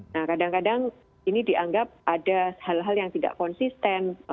nah kadang kadang ini dianggap ada hal hal yang tidak konsisten